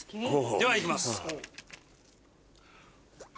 ではいきます。